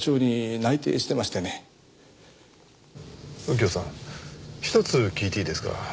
右京さんひとつ聞いていいですか？